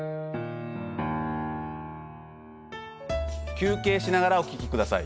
休憩しながらお聞き下さい。